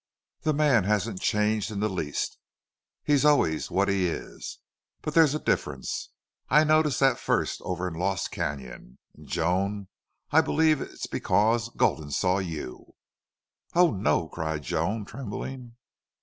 The man hasn't changed in the least. He's always what he is. But there's a difference. I noticed that first over in Lost Canon. And Joan, I believe it's because Gulden saw you." "Oh, no!" cried Joan, trembling.